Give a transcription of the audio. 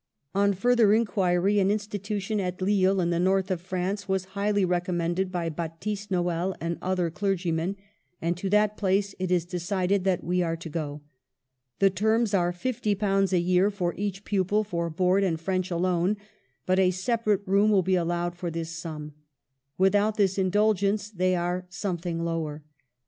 On further inquiry an institution at Lille in the North of France was highly recommended by Baptist Noel and other clergymen, and to that place it is decided that we are to go. The terms are £,^0 a year for each pupil for board and French alone ; but a separate room will be allowed for this sum ; without this indulgence they are something lower.